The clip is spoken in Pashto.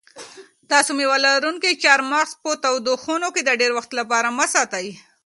تاسو مېوه لرونکي چهارمغز په تودو خونو کې د ډېر وخت لپاره مه ساتئ.